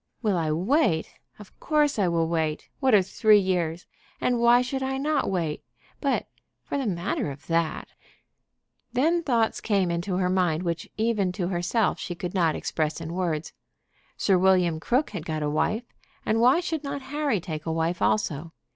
Will I wait? Of course I will wait. What are three years? And why should I not wait? But, for the matter of that " Then thoughts came into her mind which even to herself she could not express in words. Sir William Crook had got a wife, and why should not Harry take a wife also?